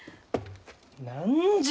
何じゃ！？